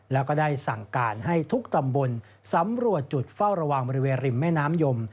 แล้วก็ได้สั่งการให้ทุกตำบลสำรวจจุดเฝ้าระวังบริเวณริมแม่น้ำยม